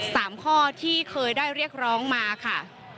สามข้อที่เคยได้เรียกร้องมาค่ะ